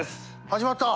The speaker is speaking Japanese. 始まった。